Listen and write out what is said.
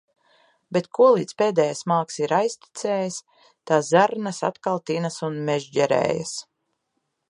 Bet kolīdz pēdējais malks ir aiztecējis, tā zarnas atkal tinas un mežģerējas.